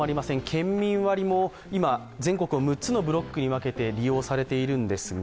県民割も今全国６つのブロックに分けて利用されているんですが